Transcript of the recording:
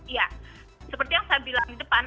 ya seperti yang saya bilang di depan